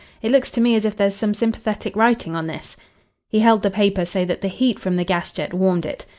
It looks to me as if there's some sympathetic writing on this." He held the paper so that the heat from the gas jet warmed it.